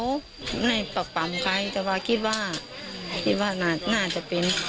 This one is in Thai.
ไม่รู้ในปรับปร่ำใครแต่ว่าคิดว่าน่าจะเป็น